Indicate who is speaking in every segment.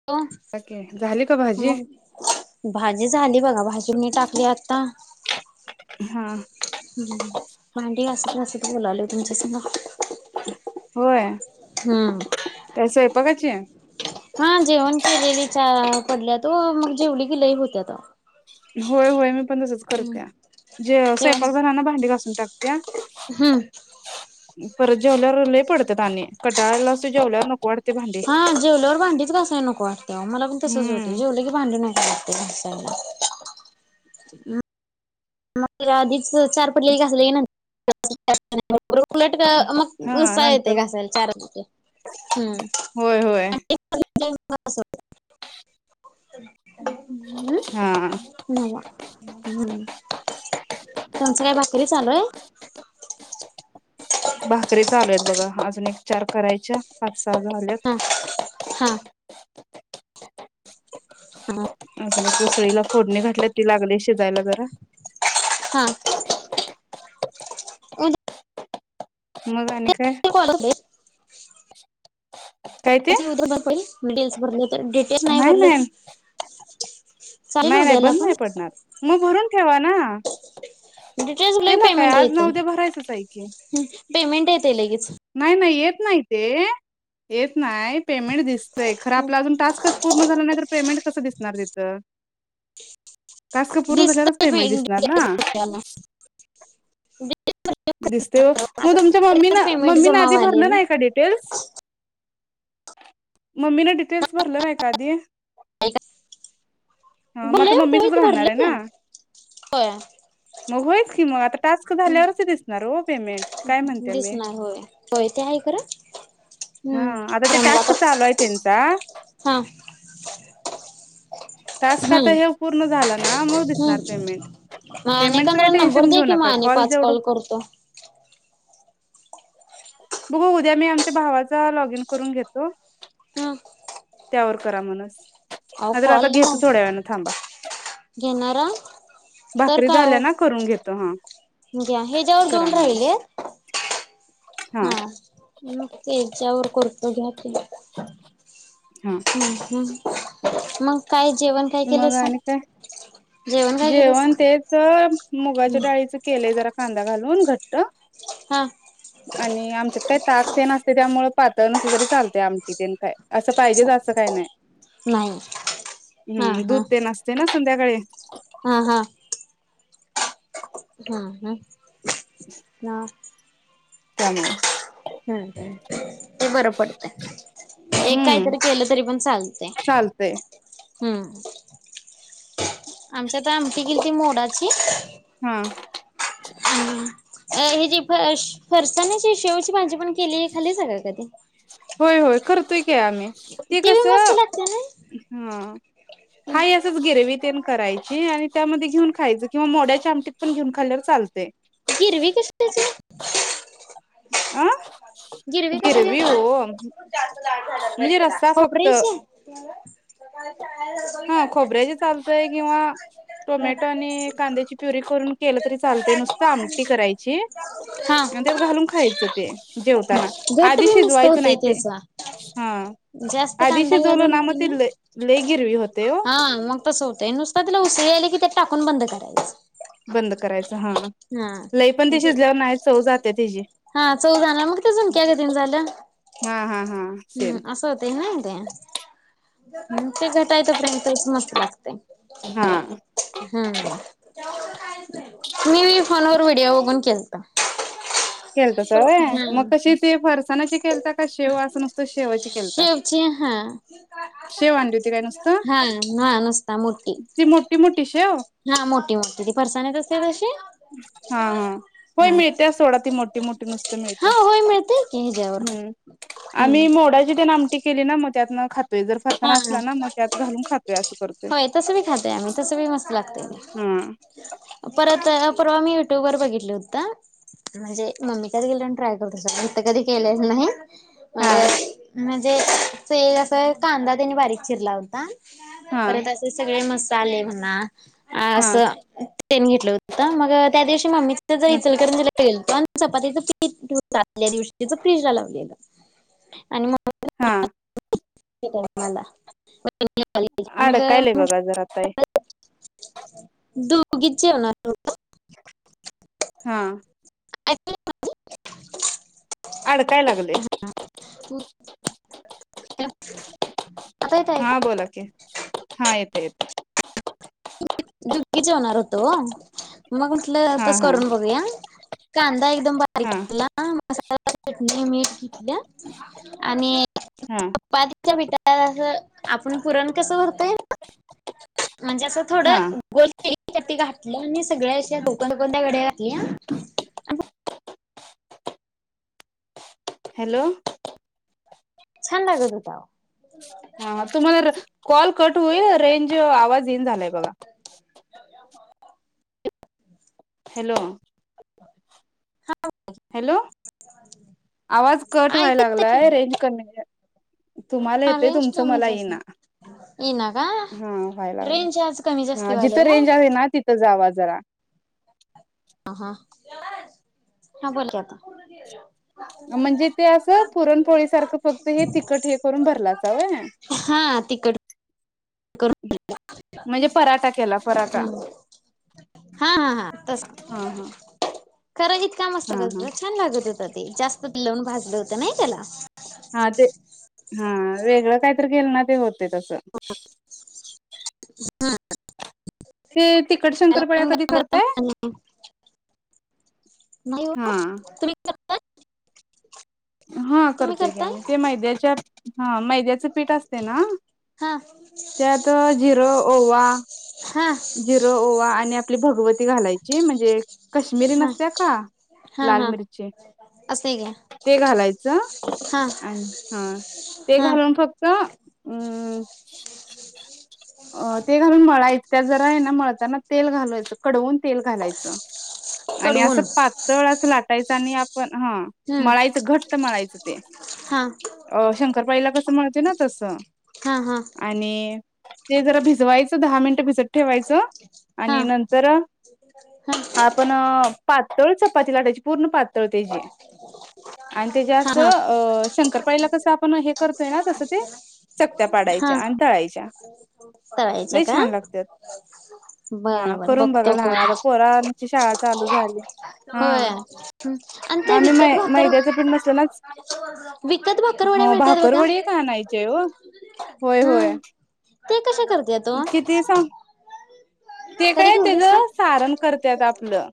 Speaker 1: [unintelligible]
Speaker 2: Okay झाली का भाजी
Speaker 1: भाजी झाली बघा, भाजी मी टाकली आता.
Speaker 2: हा
Speaker 1: हं भांडी घासत घासत बोलालोय तुमच्या संग.
Speaker 2: होय
Speaker 1: हंम.
Speaker 2: काय स्वयंपाकाची?
Speaker 1: हां जेवण केलेलीच्या पडल्यात ओ, मग जेवली की लाई होत्यात अवो.
Speaker 2: होय होय मीब पण तसंच करत्या, जेव
Speaker 1: जेवण
Speaker 2: स्वयंपाक झालाना भांडी घासून टाकत्या.
Speaker 1: हम्म
Speaker 2: परत जेवल्यावर लय पडत्यात आणि, कटाळा आलेला असतो, जेवल्यावर नको वाटत.
Speaker 1: हा जेवल्यावर भांडीच घासाय नको वाटतेय अवो. मला पण तसंच होतंय,
Speaker 2: हम्म
Speaker 1: जेवलं की भांडी नको वाटते. घासायला [unintelligible] तर आधीच चार पडलेली घासयला येईना [unintelligible] उलट मग
Speaker 2: हा
Speaker 1: घुस्सा येते
Speaker 2: नंतर
Speaker 1: घासायला चारच की. हं
Speaker 2: होय होय
Speaker 1: [unintelligible] हम्
Speaker 2: हा
Speaker 1: नवा हं. तुमचं काय भाकरी चालूये?
Speaker 2: भाकरीच चालू आहेत बघा, अजून एक चार करायच्या, पाच सहा
Speaker 1: हा
Speaker 2: झाल्यात.
Speaker 1: हा हा
Speaker 2: अजून एक उसळीला फोडणी घातल्या, ती लागली शिजायला जरा.
Speaker 1: हा उद्या
Speaker 2: मग आणि काय?
Speaker 1: कॉल [unintelligible]
Speaker 2: [inaudible] काय
Speaker 1: [unintelligible]
Speaker 2: ते
Speaker 1: उद्या भरतील. डिल्स भरले तर, डिटेल्स नाही भरले तर चालेल
Speaker 2: नाही नाही
Speaker 1: उद्याला
Speaker 2: बंद
Speaker 1: पण
Speaker 2: नाही पडणार, मग भरून ठेवा ना.
Speaker 1: डिटेल्स भरले
Speaker 2: त्याला काय आज ना उद्या भरायचंच आहे की.
Speaker 1: हं पेमेंट येतंय लगेच.
Speaker 2: नाही नाही येत नाही ते, येत नाही, पेमेंट दिसतंय. खरं आपला अजून टास्कच पूर्ण झालं नाहीतर, पेमेंट कसं दिसणार तिथं? टास्कं पूर्ण झाल्यालाच
Speaker 1: दिसत
Speaker 2: पेमेंट दिसणार ना.
Speaker 1: [inaudible]
Speaker 2: दिसतंय ओ, मग तुमच्या मम्मीनं
Speaker 1: पेमेंट
Speaker 2: मम्मीननं
Speaker 1: जमा
Speaker 2: आधी
Speaker 1: व्हायले
Speaker 2: भरलं
Speaker 1: ना
Speaker 2: नाही का डिटेल्स? मम्मीनं डिटेल्स भरलं नाही का आधी?
Speaker 1: [unintelligible]
Speaker 2: हा मग आता
Speaker 1: बोललेलं होत
Speaker 2: मम्मीचच
Speaker 1: ते
Speaker 2: घालणार आहे
Speaker 1: भरलं
Speaker 2: ना
Speaker 1: कीया.
Speaker 2: मग होईल की मग, आता टास्क झाल्यावरच दिसणार ओ.
Speaker 1: दिसणार होय, होय ते आहे खरं.
Speaker 2: हा
Speaker 1: हम्म
Speaker 2: आता ते टास्कं चालू आहे त्यांचा.
Speaker 1: हां
Speaker 2: टास्क आता
Speaker 1: हम्म
Speaker 2: ह्यो पूर्ण झाला ना, मग दिसणार
Speaker 1: हम्म
Speaker 2: पेमेंट.
Speaker 1: मग
Speaker 2: पेमेंटचं
Speaker 1: अनेकांना
Speaker 2: काही
Speaker 1: नंबर
Speaker 2: टेन्शन
Speaker 1: दे
Speaker 2: घेऊ
Speaker 1: की मग
Speaker 2: नका
Speaker 1: आणि
Speaker 2: कॉल
Speaker 1: पाच
Speaker 2: जेवढं
Speaker 1: करतो
Speaker 2: बघू उद्या मी आमच्या भावाचा लॉग इन करून घेतो.
Speaker 1: हा
Speaker 2: त्यावर करा म्हणस
Speaker 1: अहो
Speaker 2: नाही तर
Speaker 1: कॉल
Speaker 2: आता घेतो
Speaker 1: मग
Speaker 2: थोड्या वेळानं थांबा.
Speaker 1: घेणारा
Speaker 2: भाकरी झाल्या ना करून घेतो हां.
Speaker 1: अं ग्या हेज
Speaker 2: करा माणस.
Speaker 1: हां मग तेच्यावर करतो घ्या की आता.
Speaker 2: हां.
Speaker 1: हम्मं-हम्मं मग काय जेवण काय
Speaker 2: मग
Speaker 1: केलंसा?
Speaker 2: आणि काय
Speaker 1: काय केलंसा
Speaker 2: जेवण तेचं मुगाच्या
Speaker 1: हम्म
Speaker 2: डाळीच केलंय जरा कांदा घालून घट्ट.
Speaker 1: हा.
Speaker 2: आणि आमच्यात काय ताकतेन असते त्यामुळं पातळ नसलं तरी चालते आमटी तेन काय. असं पाहिजेच असं काय नाही
Speaker 1: नाही हा
Speaker 2: हम्मं दूध ते नसते ना संध्याकाळी.
Speaker 1: हां-हां हा हं हां.
Speaker 2: त्यामुळं
Speaker 1: हम्म-हम्म ते बरं पडतय. एक काही
Speaker 2: हम्म
Speaker 1: तरी केलं तरी पण चालतय.
Speaker 2: चालतंय
Speaker 1: हम्म आमच्यात आमटी केलती मोडाची.
Speaker 2: हम्म.
Speaker 1: [unintelligible] अम्म. अ हे जी फश फरसान्याची शेवची भांजी पण केलेली खाल्लीसा का कधी.
Speaker 2: होय-होय करतोय आम्ही. ते
Speaker 1: ती बी
Speaker 2: कसं
Speaker 1: मस्त लागते ना
Speaker 2: हां हाय असच गिरवी तेन करायची आणि त्यामध्ये घेऊन खायचं किंवा मोड्याच्या आमटीत पण घेऊन खाल्ल्यावर चालते.
Speaker 1: गिरवी कशी त्याची?
Speaker 2: अ
Speaker 1: गिरवी कशी घ्या
Speaker 2: म्हणजे रस्सा फक्त
Speaker 1: खोब्रेशी
Speaker 2: हा खोबऱ्याची चालतंय किंवा
Speaker 1: [unintelligible]
Speaker 2: टोमॅटो आणि कांद्याची प्युरी करून केलं तरी चालते नुसतं आमटी करायची.
Speaker 1: हा
Speaker 2: आणि त्यात घालून खायचं ते जेवताना
Speaker 1: घट
Speaker 2: आधी
Speaker 1: बी मस्त
Speaker 2: शिजवायचं
Speaker 1: होतय
Speaker 2: नाही ते.
Speaker 1: त्याचा.
Speaker 2: हां
Speaker 1: जास्त
Speaker 2: आधी
Speaker 1: कांदा
Speaker 2: शिजवलो
Speaker 1: घालून
Speaker 2: ना म ते लय-लय गिरवी होते ओ.
Speaker 1: आं मग तसं होतंय नुसतं तिला उसळी आले की त्यात टाकून बंद करायचं.
Speaker 2: बंद करायचं हां.
Speaker 1: हां म्हणजे
Speaker 2: त्याची
Speaker 1: हां चव जानार मग ते झुणक्या गरी न झालं.
Speaker 2: हम्मं-हम्मं-हम्मं.
Speaker 1: हम्म असं होत नाही ते हम्म ते घटायचं पर्यंतच मस्त लागतय.
Speaker 2: हां.
Speaker 1: हम्म [unintelligible] मी फोन वर व्हिडिओ बघून केलत.
Speaker 2: केलतासा वयं मग तशी ती फरसाणाची केलता का शेव अस नुस
Speaker 1: शेवची हां.
Speaker 2: शेव आणली होती काय नुसतं
Speaker 1: हां-हां नुसता मोठी.
Speaker 2: ती मोठी मोठी शेव
Speaker 1: ह्यां मोठी-मोठी ती फरसान्यात असते तशी.
Speaker 2: हां-हां होय
Speaker 1: हा
Speaker 2: मिळतेया सोडा ती मोठी-मोठी नुसतं
Speaker 1: हा
Speaker 2: मिळतेया.
Speaker 1: होय मिळतेय की ह्याच्यावर
Speaker 2: हम्म
Speaker 1: हम्म
Speaker 2: आम्ही मोडाची तेन आमटी केली ना म त्यातन खात
Speaker 1: हां
Speaker 2: असं करतोय
Speaker 1: होय तसं बी खातंय आम्ही तसं बी मस्त लागतंय.
Speaker 2: हा
Speaker 1: परत परवा मी युट्यूब वर बघितलं होतं. म्हणजे मम्मीकडं गेल्यावर ट्राय करते सोडा इथं कधी केलेलं नाही. अ
Speaker 2: हा.
Speaker 1: म्हणजे ते असं कांदा त्यानी बारीक चिरला होता
Speaker 2: हा
Speaker 1: परत असे सगळे मसाले म्हणा आ
Speaker 2: हा
Speaker 1: असं पेन घेतलं होतं का मग त्या दिवशी मम्मी इचलकरंजीला गेलतो आणि चपातीच पीट आदल्या दिवशीच फ्रीजला लावलेलं आणि म
Speaker 2: हा.
Speaker 1: मला
Speaker 2: अडकायलय
Speaker 1: मग
Speaker 2: बघा जरा आता हे
Speaker 1: [unintelligible] दुघीच जेवणार होतो.
Speaker 2: हा.
Speaker 1: [unintelligible] हा
Speaker 2: अडकाय लागलय
Speaker 1: तु आहे
Speaker 2: हा बोला की, हा येतंय येतंय.
Speaker 1: दुघी जेवणार होतो ओ मग म्हटलं
Speaker 2: हा
Speaker 1: तसं
Speaker 2: हा
Speaker 1: करून बघूया. कांदा एकदम बारीक
Speaker 2: हा
Speaker 1: चिरला मसाला, चटणी, मीठ घेतलं आणि [inaudible]
Speaker 2: हा
Speaker 1: [unintelligible] असं आपण पुरण कसं भरतोय म्हणजे असं थोडं
Speaker 2: हा
Speaker 1: गोल घातलं आणि सगळ्या अशा गोलगोल घड्या घातल्या. आणि
Speaker 2: हॅलो.
Speaker 1: छान लागत होताव.
Speaker 2: हा तुम्हाला र कॉल कट होईल रेंज आवाज येईना झालाय बघा. हॅलो.
Speaker 1: [inaudible]
Speaker 2: हॅलो, आवाज कट व्हाय
Speaker 1: ऐकू येतंय की
Speaker 2: लागलाय रेंज
Speaker 1: नाही
Speaker 2: कमी आहे. तुम्हाला येतंय,
Speaker 1: रेंज
Speaker 2: तुमचं
Speaker 1: कमी
Speaker 2: मला
Speaker 1: जास्त
Speaker 2: येईना.
Speaker 1: येईना का
Speaker 2: हा व्हाय
Speaker 1: रेंज आज कमी
Speaker 2: लागलंय
Speaker 1: जास्ती
Speaker 2: ह
Speaker 1: व्हायल्या
Speaker 2: जिथं
Speaker 1: ओ
Speaker 2: रेंज आहे ना ति थं जावा जरा.
Speaker 1: ह हां हा बोल की आता.
Speaker 2: म्हणजे ते असं पुरणपोळी सारखं फक्त हे तिखट हे करून भरलासा होय.
Speaker 1: हा तिखट करून
Speaker 2: म्हणजे पराठा केला पराठा.
Speaker 1: हा हा हा
Speaker 2: हा हा
Speaker 1: तसं. खर इतका मस्त
Speaker 2: हा हा
Speaker 1: कर छान लागत होत ते जास्त तेल लावून भाजलं होतं नाही त्याला.
Speaker 2: हा ते हा वेगळं काहीतरी केेल ना ते होतंय तसं.
Speaker 1: हो [inaudible]
Speaker 2: ते तिखट शंकरपाळ्या
Speaker 1: पण
Speaker 2: कधी
Speaker 1: गरम गरम
Speaker 2: करताय?
Speaker 1: पाणी नाही ओ,
Speaker 2: हा
Speaker 1: तुम्ही करताय?
Speaker 2: हा
Speaker 1: तुम्ही
Speaker 2: करतोय की
Speaker 1: करताय
Speaker 2: आम्ही, ते मैद्याच्या हा मैद्याचं पीठ असतंय ना
Speaker 1: हा.
Speaker 2: त्यात जीरं, ओवा
Speaker 1: हा.
Speaker 2: जिरं ओवा आणि आपली भगवती घालायची म्हणजे कश्मिरी
Speaker 1: हा
Speaker 2: नसत्या का
Speaker 1: हा
Speaker 2: लाल
Speaker 1: हा
Speaker 2: मिरची.
Speaker 1: असं आहे का
Speaker 2: ते घालायचं
Speaker 1: हा
Speaker 2: आणि हा ते
Speaker 1: हा
Speaker 2: घालून फक्त हम्म. अ ते घालून मळायच. त्या जरा आहे ना मळताना तेल घालवायचं. कडवून तेल घालायचं आणि
Speaker 1: कडवून
Speaker 2: असं प तळ असं लाटायचं आणि आपण हा
Speaker 1: हम्म
Speaker 2: मळायचं घट्ट मळायचं ते.
Speaker 1: हा
Speaker 2: शंकरपाळीला कसं [inaudible] मिळते ना तसं.
Speaker 1: हा हा,
Speaker 2: आणि ते जरा भिजवायचं दहा मिनिटं भिजत ठेवायचं.
Speaker 1: हा
Speaker 2: आणि नंतर,
Speaker 1: हा
Speaker 2: पण पातळ चपात लाटाची पूर्ण पातळ त्याची. आणि
Speaker 1: हा
Speaker 2: त्याच
Speaker 1: हा
Speaker 2: अस शंकरपाळीला कसं आपण हे करतोय ना तसं ते. चकत्या
Speaker 1: हा
Speaker 2: पाडायच्या आणि तळायच्या
Speaker 1: तळायच्या
Speaker 2: लई
Speaker 1: का
Speaker 2: छान लागतात. ह
Speaker 1: बर बर
Speaker 2: करून बघा
Speaker 1: बघतो
Speaker 2: लहान
Speaker 1: करून
Speaker 2: आता पोरांची शाळा चालू झाली. हा
Speaker 1: होय आणि ते
Speaker 2: आम्ही मै
Speaker 1: विकत भाकर
Speaker 2: मैद्याचं पीठ नसलेलाच
Speaker 1: विकत बकरकरवड्या
Speaker 2: हो
Speaker 1: मिळते बघा.
Speaker 2: भाकरवडी आणायचे ओ होय, होय
Speaker 1: हम्म ते कशा करते तो
Speaker 2: किती सां ते
Speaker 1: कधी
Speaker 2: काय
Speaker 1: घेऊलीस ना
Speaker 2: त्याचं सारण. [inaudible] आपलं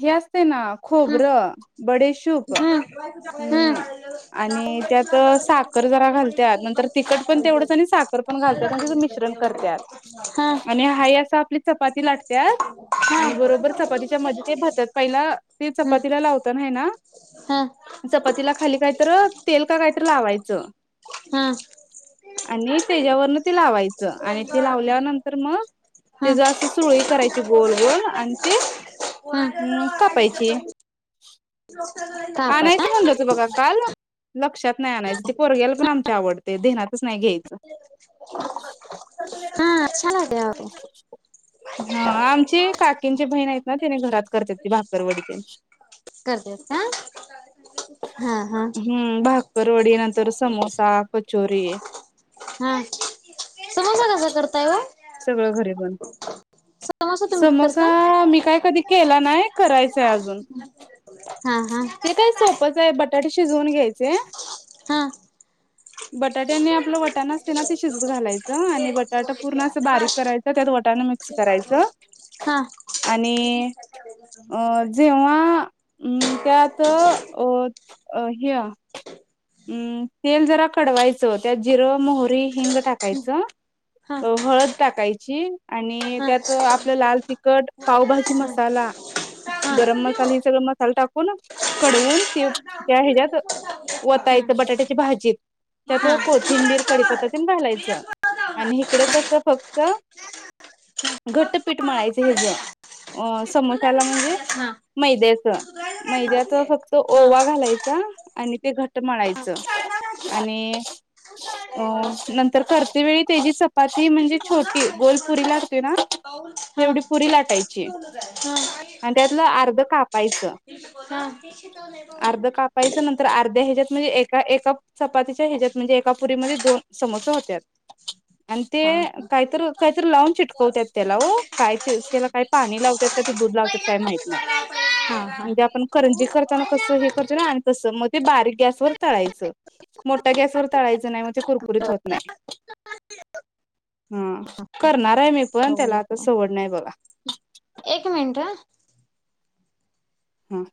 Speaker 2: हे असते ना
Speaker 1: हम्म
Speaker 2: खोबर [inaudible] ब तुप
Speaker 1: हम्म हम्म
Speaker 2: आणि त्यात साखर जरा घालतात नंतर तिखट पण तेवढंच आणि साखर पण घालतात आणि तिथं मिश्रण करतात.
Speaker 1: हा.
Speaker 2: आणि हाई असं आपली चपाती [inaudible] लाटते
Speaker 1: हा
Speaker 2: आणि
Speaker 1: हा
Speaker 2: बरोबर चपातीच्या मध्ये ते भरतात पहिला ते
Speaker 1: हम्म
Speaker 2: चपातीला लावतना आहे ना.
Speaker 1: हा
Speaker 2: चपातीला खाली काहीतर तेल का कायतर लावायचं.
Speaker 1: हम.
Speaker 2: आणि त्याच्यावरन ते लावायचं आणि ते लावल्यानंतर. तर मग
Speaker 1: हा
Speaker 2: तेच असं सुरळी करायची गोल, गोल आणि ते
Speaker 1: हा
Speaker 2: हम्म. कापायची,
Speaker 1: [unintelligible] [inaudible]
Speaker 2: आणायचं म्हटलं होतं बघा काल. लक्षात नाही आणायचं ते पोरग्याला पण आमचा आवडते [inaudible] ध्यानातच नाही घ्यायचं.
Speaker 1: हा [inaudible] अच्छा [inaudible] लागे ह
Speaker 2: हा आमचे काकींचे बहीण आहेत ना त्याने घरात करतात ती भाकरवडी [inaudible] त्यानं
Speaker 1: करतात का? [inaudible]
Speaker 2: हम्म. भागकरवडी नंतर समोसा, कचोरी.
Speaker 1: [inaudible] समोसा कसा करता होय
Speaker 2: सगळं घरी बनव.
Speaker 1: [unintelligible] [inaudible] समोसा तुम्ही
Speaker 2: समोसा
Speaker 1: करताय
Speaker 2: मी काय कधी केला नाही. करायचंय अजून.
Speaker 1: हा, हा,
Speaker 2: ते काय सोपच आहे बटाटे शिजवून घ्यायचे.
Speaker 1: हा हा
Speaker 2: बटाट्यांनी आपलं वटाण असते ना ते शिजत घालायचं आणि बटाटा पूर्ण बारीक करायच त्यात वटान मिक्स करायचं
Speaker 1: हा
Speaker 2: आणि, अ जेव्हा अ त्यात अ. अ [inaudible] ह हे अम् तेल जरा कडवायचं त्यात जिरं मोहरी हिंग टाकायचं. हळद टाकायची आणि
Speaker 1: हा
Speaker 2: त्यात आपलं लाल तिखट पावभाजी मसाला गरम मसाल हे सगळं मसाल टाकून कडवून ते त्या ह्याच्यात वतायचं बटाट्याच्या भाजीत त्यात
Speaker 1: हा हा
Speaker 2: कोथिंबीर कडीपत्ता
Speaker 1: हा
Speaker 2: त्यानं घालायचं. आणि इकडं कसं फक्त घटपीठ मळायचं हेज अ
Speaker 1: हा
Speaker 2: समोशला म्हणजे
Speaker 1: हा हा
Speaker 2: मैद्याच मैद्यात फक्त
Speaker 1: हा. हा.
Speaker 2: ओवा घालायचा आणि ते घट
Speaker 1: हा
Speaker 2: मळायच. आणि अ नंतर करते वेळी त्याची चपाती म्हणजे छोटी गोलपुरी लाटतो ना तेवढी पुरी लाटायची.
Speaker 1: हा
Speaker 2: आणि त्यातलं अर्ध कापायचं.
Speaker 1: तेच शिकवलं.
Speaker 2: अर्धा कापायचं नंतर अर्ध्या ह्याच्यात म्हणजे एका एका चपातीच्या ह्याच्यायात म्हणजे एका पुरीमध्ये दोन समोसा होत्या आणि ते काहीत काहीतरी लावून चिटकवतात ओ त्याला काय त्याला काय पाणी लावतात का ते दूध लावतात काय माहीत नाही.
Speaker 1: ह [unintelligible]
Speaker 2: म्हणजे आपण करंजी करताना कसं हे करतो ना आणि कसं मग ते बारीक गॅसवर तळायचं. मोठा गॅसवर तळायचं नाही मग ते कुरकुरीत होत नाही. हा करणार आहे मी पण त्याला आता
Speaker 1: बघूया
Speaker 2: सवड नाही बघा
Speaker 1: एक मिनिटं हा
Speaker 2: हा